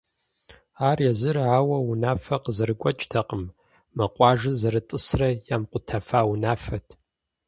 Ар езыр ауэ унафэ къызэрыгуэкӏтэкъым — мы къуажэр зэрытӏысрэ ямыкъутэфа унафэт.